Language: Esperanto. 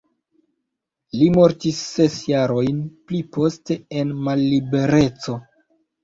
Li mortis ses jarojn pli poste en mallibereco.